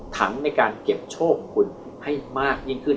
ถังในการเก็บโชคของคุณให้มากยิ่งขึ้น